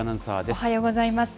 おはようございます。